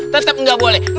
tetap nggak boleh